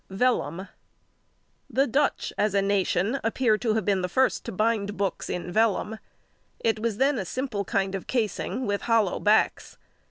Vellum.—The Dutch, as a nation, appear to have been the first to bind books in vellum. It was then a simple kind of casing, with hollow backs.